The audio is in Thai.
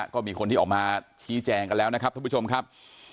ก็มีคนที่ออกมาชี้แจงกันแล้วนะครับท่านผู้ชมครับ